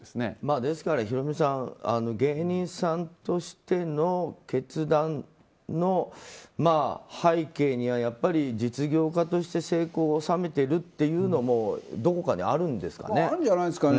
ですから、ヒロミさん芸人さんとしての決断の背景にはやっぱり実業家として成功を収めてるというのもどこかにあるんですかね。